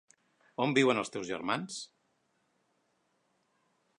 On viuen els teus germans?